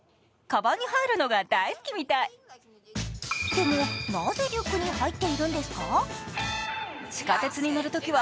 でもなぜリュックに入っているんですか？